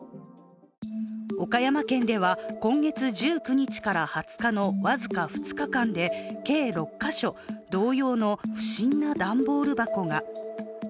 岡山県では今月１９日から２０日の僅か２日間で、計６か所、同様の不審な段ボール箱が。